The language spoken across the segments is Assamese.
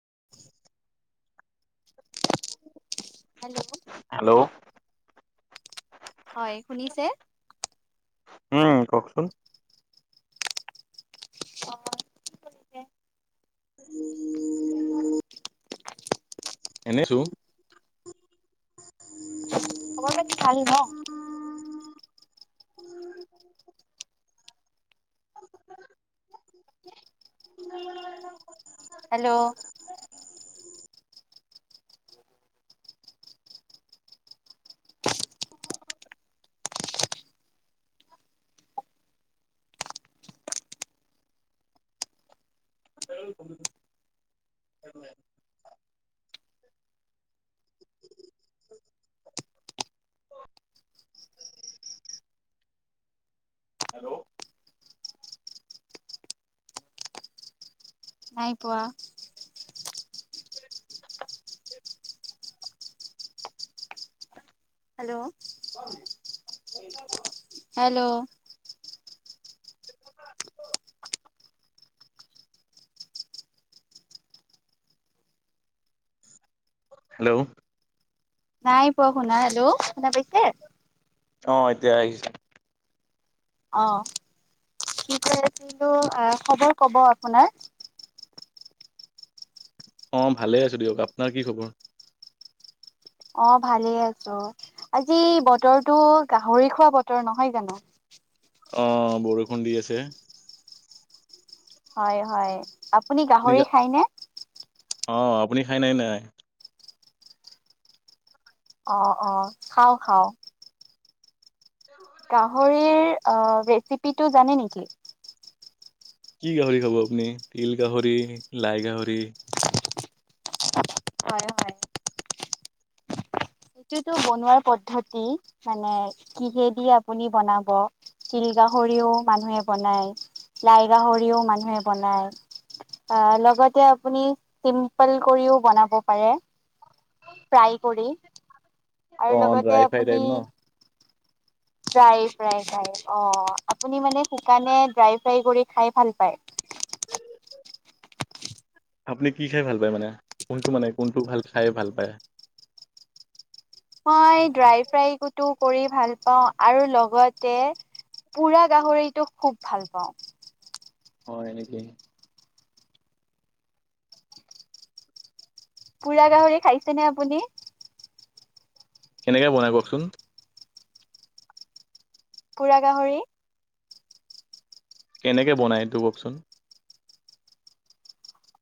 [inaudible] হেল্ল'। হেল্ল'। হয় শুনিছে। উম, কওঁকচোন। অ' কি কৰিছে। [inaudible] এনেছো খবৰ খাতি ভাল না। হেল্ল'। এই [unintelligible] উ [unintelligible] নাই পোৱা। Hello hello. হেল্ল'। নাই পোৱা শুনা, হেল্ল'! শুনা পাইছে? অ'! এতিয়া আহিছে। অ'! কি কৈ আছিলোঁ! আঁ খবৰ ক'ব আপোনাৰ? অ'! ভালে আছোঁ দিয়ক, আপোনাৰ কি খবৰ? অ'! ভালেই আছোঁ। আজি বতৰটো, গাহৰি খোৱা বতৰ নহয় জানোঁ? অ'! বৰষুণ দি আছে। হয়, হয়! আপুনি গাহৰি খায়নে? অ'! আপুনি খাই নাই, নাই? অ' অ'! খাওঁ-খাওঁ। [unintelligible] গাহৰিৰ অ' ৰেচিপিটো জানে নেকি? কি গাহৰি খাব আপুনি? তিল গাহৰি, লাই গাহৰি? হয়, হয়। সেইটোতো বনোৱাৰ পদ্ধতি। মানে, কিহেদি আপুনি বনাব। তিল গাহৰিও মানুহে বনায়, লাই গাহৰিও মানুহে বনায়। অ'! লগতে আপুনি, চিম্পল কৰিও বনাব পাৰে। ফ্ৰাই কৰি আৰু অ লগতে ড্ৰাই ফ্ৰাই আপুনি টাইপ ন ড্ৰাই-ফ্ৰাই খায়। অ'! আপুনি মানে, শুকানে ড্ৰাই- ফ্ৰাই কৰি খাই ভাল পায়? আপুনি কি খাই ভাল পায় মানে? কোনটো মানে, কোনটো ভাল খাই, ভাল পায়? মই ড্ৰাই-ফ্ৰাইকোটো কৰি ভাল পাওঁ। আৰু লগতে, পুৰা গাহৰিটো খুউব ভাল পাওঁ। হয়, সেইটোৱে। পুৰা গাহৰি খাইছেনে, আপুনি? কেনেকৈ বনাই কওঁকচোন? পুৰা গাহৰি? কেনেকৈ বনায়, সেইটো কওঁকচোন?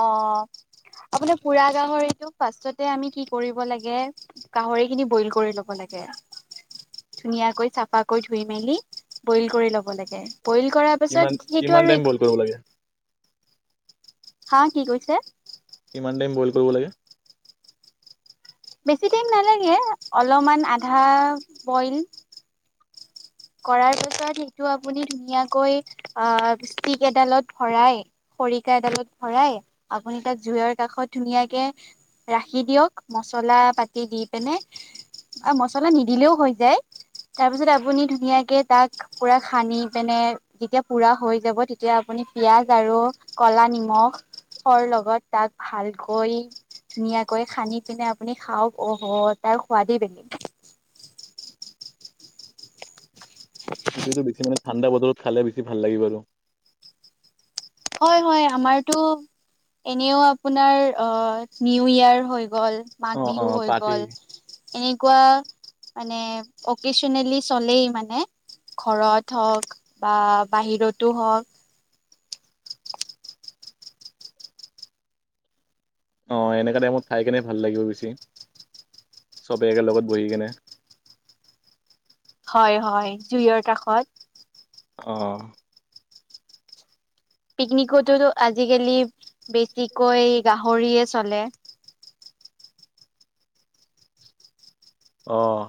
অ'! আপুনি পুৰা গাহৰিটো ফাৰ্ষ্টতে আমি কি কৰিব লাগে, গাহৰি খিনি বইল কৰি ল'ব লাগে। ধুনীয়াকৈ, চাফাকৈ ধুই মেলি, বইল কৰি ল'ব লাগে। বইল কৰা কিমান পাছত সেইটো কিমান আৰু টাইম বইল কৰিব লাগে। হাঁ, কি কৈছে? কিমান টাইম বইল কৰিব লাগে? বেছি টাইম নালাগে, অলপমান আধা বইল, কৰাৰ পিছত, সেইটো আপুনি ধুনীয়াকৈ আঁ ষ্টিক এডালত ভৰাই খৰিকা এডালত ভৰাই, আপুনি তাত জুইৰ কাষত ধুনীয়াকে ৰাখি দিয়ক, মচলা-পাতি দি পিনে। আৰু মছলা নিদিলেও হৈ যায়। তাৰ পিছতে, আপুনি ধুনীয়াকে, তাক পূৰা সানি পেনে যেতিয়া পুৰা হৈ যাব, তেতিয়া আপুনি, পিয়াঁজ আৰু কলা নিমখ খৰ লগত তাক ভালকৈ ধুনীয়াকৈ সানি পিনে, আপুনি খাওঁক, অ'হ'! তাৰ সোৱাদেই বেলেগ। সেইটোটো বেছি মানে, ঠাণ্ডা বতৰত খালে, বেছি ভাল লাগিব আৰু! হয়, হয়! আমাৰতো এনেও আপোনাৰ, অ' নিউ ইয়েৰ হৈ গ'ল। অ অ মাঘবিহু হৈ পাতি গ'ল, এনেকুৱা মানে অকেচনেলি চলেই মানে। ঘৰত হওঁক বা বাহিৰতো হওঁক। অ', এনেকুৱা টাইমত খাই কেনে ভাল লাগিব বেছি, চবেই একেলগত বহি কেনে। হয় হয়, জুইয়ৰ কাষত। অ'। পিকনিকতো আজিকালি বেছিকৈ, গাহৰিয়েই চলে। অ'।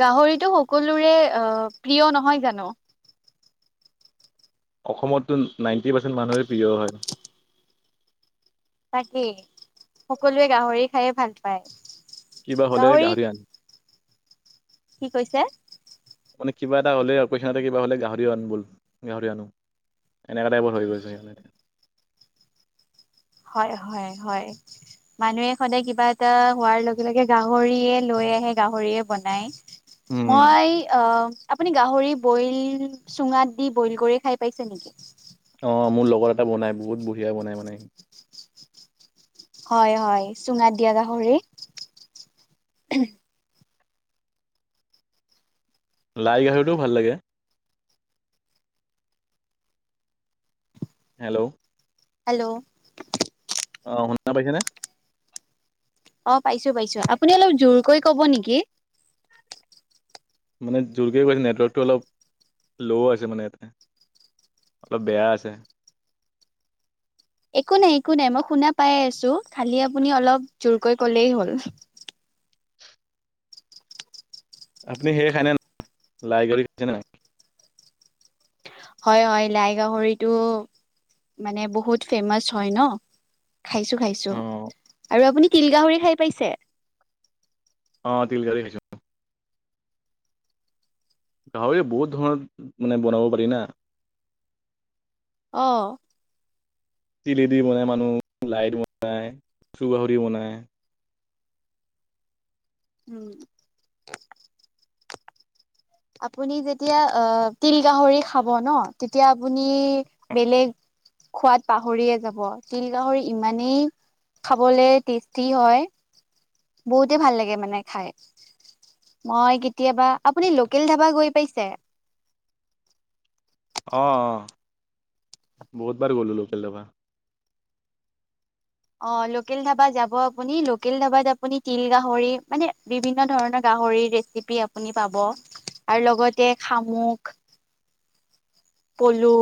গাহৰিটো সকলোৰে, অ' প্ৰিয় নহয় জানো? অসমততো নাইনটি পাৰ্চেণ্ট মানুহৰেই প্ৰিয় হয়। তাকেই, সকলোৱে গাহৰি খায়েই ভাল পায়। কিবা হ'লে গাহৰি আন। কি কৈছে? মানে কিবা এটা হ'লে আৰু পইচা এটা কিবা হ'লে গাহৰি আন বল, গাহৰি আনো। এনেকুৱা টাইপৰ হৈ গৈছে ইহঁতে। হয়, হয়, হয়। মানুহে সদায় কিবা এটা হোৱাৰ লগে লগে, গাহৰিয়েই লৈ আহে, গাহৰিয়েই বনাই। উম মই, আহ আপুনি গাহৰি বইল, চুঙাত দি বইল কৰি খাই পাইছে নেকি? অ', মোৰ লগৰ এটাই বনাই, বহুত বঢ়িয়া বনাই মানে। হয় হয়, চুঙাত দিয়া গাহৰি। লাই গাহৰিটোও ভাল লাগে। হেল্ল'। হেল্ল'। অ', শুনা পাইছানে? অ', পাইছো পাইছো, আপুনি অলপ জোৰকৈ ক'ব নেকি? মানে জোৰকৈ কৈ আছোঁ, নেটৱৰ্কটো অলপ ল' আছে মানে ইয়াতে। অলপ বেয়া আছে। একো নাই, একো নাই, মই শুনা পাই আছো, খালি আপুনি অলপ জোৰকৈ ক'লেই হ'ল। আপুনি হেৰি খাই নে, লাই গাহৰি খাইছে নে নাই? হয় হয়, লাই গাহৰিটো মানে বহুত ফেমাচ হয় ন। খাইছো খাইছো, অ আৰু আপুনি তিল গাহৰি খাই পাইছে? অ', তিল গাহৰি খাইছো। গাহৰি বহুত ধৰণৰ মানে বনাব পাৰি না। অ'। তিলেদি বনাই মানুহ, লাই দি বনায়, কচু গাহৰি বনাই। [inaudible] আপুনি যেতিয়া আ তিল গাহৰি খাব ন তেতিয়া আপুনি বেলেগ খোৱাত পাহৰিয়ে যাব, তিল গাহৰি ইমানেই খাবলে টেষ্টি হয়, বহুতে ভাল লাগে মানে খাই। মই কেতিয়াবা, আপুনি লোকেল ধাবা গৈ পাইছে? অ', অ', বহুত বাৰ গ'লো লোকেল ধাবা। অ', লোকেল ধাবা যাব আপুনি লোকেল ধাবাত আপুনি তিল গাহৰি মানে বিভিন্ন ধৰণৰ গাহৰি আপুনি পাব, আৰু লগতে সামুক পলু,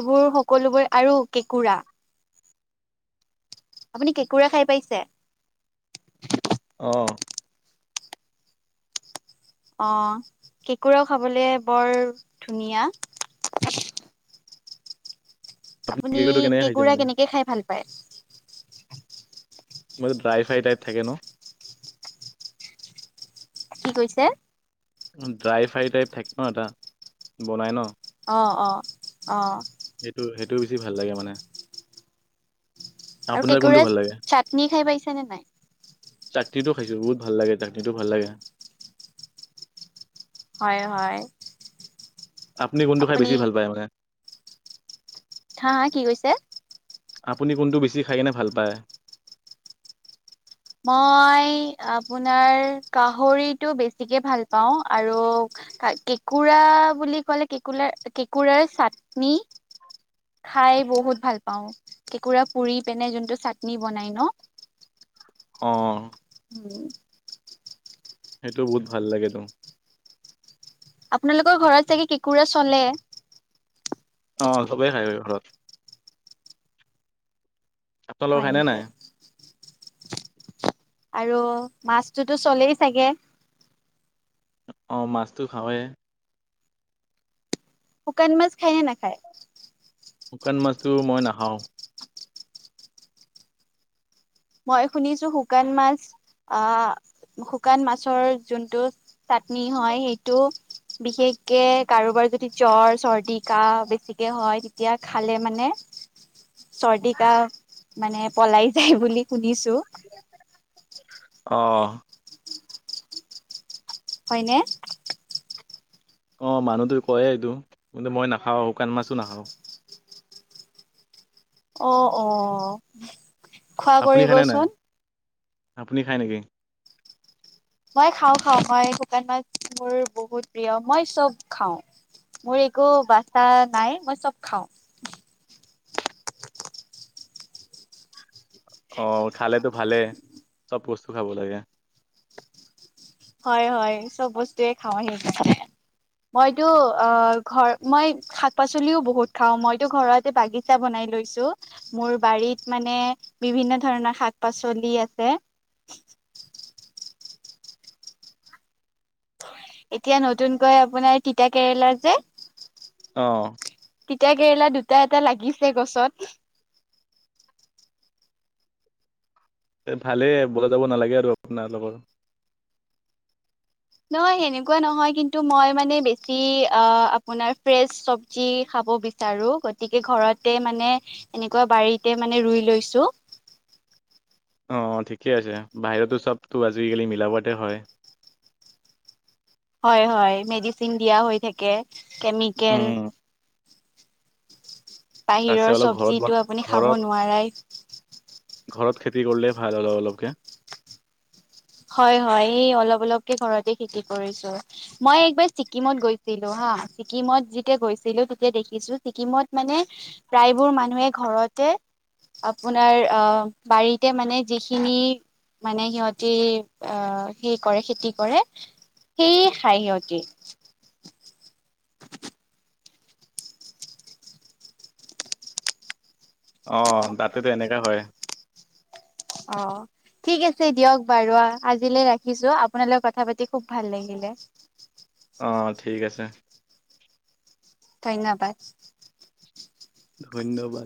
এইবোৰ সকলোবোৰ, আৰু কেঁকোৰা। আপুনি কেঁকোৰা খাই পাইছে অঁ অ কেঁকোৰাও খাবলে বৰ ধুনীয়া [unintelligible] আপুনি কেকটো কেনেকে খাইছে কেঁকোৰা মানে কেনেকে খাই ভাল পায় মই ড্ৰাই ফ্ৰাই টাইপ থাকে ন কি কৈছে ড্ৰাই ফ্ৰাই টাইপ থাকে ন এটা বনাই ন অঁ অঁ অঁ সেইটো সেইটো বেছি ভাল লাগে মানে আৰু আপোনাৰ কোনটো কেঁকোৰাৰ ভাল লাগে? চাটনি খাই পাইছে নে নাই চাটনিটো খাইছো বহুত ভাল লাগে চাটনিটো ভাল লাগে হয় হয় আপুনি কোনটো খাই বেছি ভাল পায় মানে হা হা কি কৈছে আপুনি কোনটো বেছি খাই কেনে ভাল পায় মই আপোনাৰ গাহৰিটো বেছিকে ভাল পাওঁ আৰু কেঁকোৰা বুলি ক'লে কেঁকোৰাৰ কেঁকোৰাৰ চাটনি খাই বহুত ভাল পাওঁ কেঁকোৰা পুৰি কেনে যোনটো চাটনি বনাই ন অ অ উম সেইটো বহুত ভাল লাগেত তো আপোনালোকৰ ঘৰত চাগে কেঁকোৰা চলে অঁ চবেই খায় বাৰু ঘৰত আপোনালোকৰ হয় খায়নে নেকি নাই আৰু মাছতোতো চলেই চাগে অঁ মাছটো খাওঁৱেই শুকান মাছ খায়নে নাখায় শুকান মাছটো মই নাখাওঁ মই শুনিছোঁ শুকান মাছ আহ শুকান মাছৰ যোনটো চাটনি হয় সেইটো বিশেষকে কাৰোবাৰ যদি জ্বৰ চৰ্দি কাহ বেছিকে হয় তেতিয়া খালে মানে চৰ্দি কাহ মানে পলাই যায় বুলি শুনিছোঁ অ হয়নে অ মানুহটো কয় এইটো কিন্তু মই নাখাওঁ শুকান মাছো নাখাওঁ অ অ খোৱা আপুনি খায় নে নাই কৰিবচোন আপুনি খায় নেকি মই খাওঁ খাওঁ মই শুকান মাছ মোৰ বহুত প্ৰিয় মই চব খাওঁ মোৰ একো বাচা নাই মই চব খাওঁ অ খালেতো ভালেই চব বস্তু খাব লাগে হয় হয় চব বস্তুয়ে খাওঁ সেই কাৰণে মইতো অ ঘৰ মই শাক পাচলিও বহুত খাওঁ মইতো ঘৰতে বাগিচা বাগিচা বনাই লৈছোঁ মোৰ বাৰীত মানে বিভিন্ন ধৰণৰ শাক পাচলি আছে এতিয়া নতুনকৈ আপোনা তিতা কেৰেলাত যে অহ তিতা কেৰেলা দুটা এটা লাগিছে গছত। এ ভালে বজাত যাব নালাগে আৰু আপোনালোকৰ। নহয় সেনেকুৱা নহয় কিন্তু, - টো মই মানে বেছি অ আপোনাৰ ফ্ৰেছ চবজি খাব বিচাৰো। গত- তিকে ঘৰতে মানে এনেকুৱা বাৰীতে মানে ৰুই লৈছো। অঁ ঠিকে আছে, বাহিৰততো চবতো আজিকালি মিলাবতে হয়। হয় হয়, মেডিচিন দিয়া হৈ থাকে কেমিকেল। উম তাতছে বাহিৰৰ অলপ ঘৰত বন চব্জিটো আপুনি খাব ঘৰত নোৱাৰাই। ঘৰত খেতি কৰিলে ভাল অলপ অলপকে। হয় হয়, এই অলপ অলপকে ঘৰতে খেতি কৰিছো। মই একবাৰ ছিকিমত গৈছিলো হা‍ঁ ছিকিমত যেতিয়া গৈছিলো তেতিয়া দেখিছো ছিকিমত মানে- প্ৰায়বোৰ মানুহে ঘৰতে- আপোনাৰ অঁ' বাৰীতে মানে যিখিনি মানে সিহঁতি- অ সি কৰে খেতি কৰে, সেইয়ে খাই সিহঁতি। অঁ' দাতেতো এনেকা হয়। অঁ' ঠিক আছে দিয়ক বাৰু আজিলৈ ৰাখিছো আপোনাৰ লগত কথা পাতি খুব ভাল লাগিলে। অঁ ঠিক আছে। ধন্যবাদ। ধন্যবাদ।